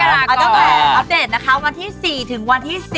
เอาแต่งเป็นอัปเดตนะคะวันที่๔๑๐